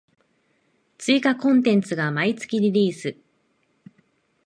追加コンテンツが毎月リリース